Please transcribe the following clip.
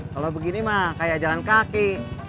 kalau begini mah kayak jalan kaki